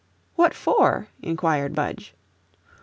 "What for?" inquired Budge.